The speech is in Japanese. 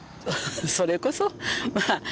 それこそまあねえ。